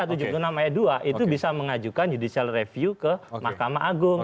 pasal tujuh puluh enam ayat dua itu bisa mengajukan judicial review ke mahkamah agung